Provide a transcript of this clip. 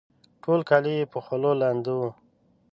ټول کالي یې په خولو لانده وه